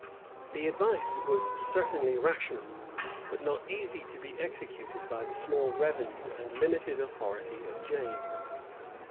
The advice was certainly rational, but not easy to be executed by the small revenue and limited authority of James.